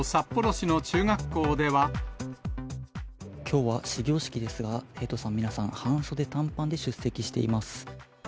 きょうは始業式ですが、生徒さん、皆さん半袖、短パンで出席しています。